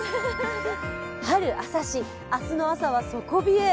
春浅し、明日の朝は底冷え。